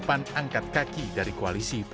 pan angkat kaki dari koalisi pan